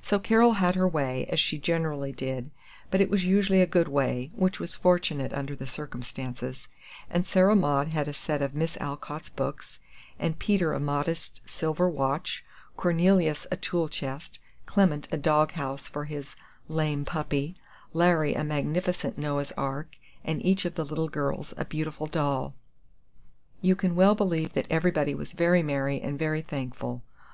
So Carol had her way, as she generally did, but it was usually a good way, which was fortunate, under the circumstances; and Sarah Maud had a set of Miss Alcott's books, and Peter a modest silver watch, Cornelius a tool chest, Clement a dog house for his "lame puppy," Larry a magnificent Noah's ark, and each of the little girls a beautiful doll. You can well believe that everybody was very merry and very thankful.